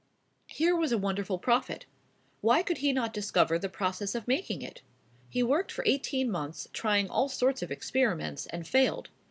Here was a wonderful profit. Why could he not discover the process of making it? He worked for eighteen months, trying all sorts of experiments, and failed.